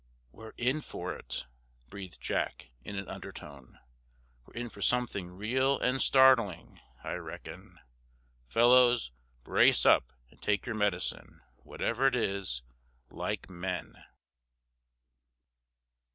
"We're in for it!" breathed Jack, in an undertone. "We're in for something real and startling, I reckon. Fellows, brace up and take your medicine, whatever it is, like men!"